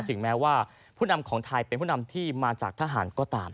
ถึงแม้ว่าผู้นำของไทยเป็นผู้นำที่มาจากทหารก็ตาม